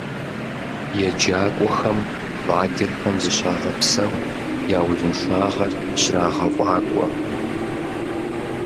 ЕджакӀуэхэм лагерхэм зыщагъэпсэху, я узыншагъэр щрагъэфӀакӀуэ.